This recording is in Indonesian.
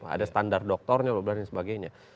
ada standar doktornya dan sebagainya